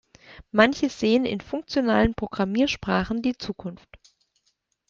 Manche sehen in funktionalen Programmiersprachen die Zukunft.